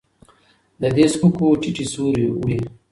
د دې سپکو ټيټې سورې وړي